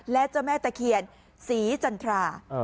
และเจ้าแม่ตะเคียนศรีจันทรา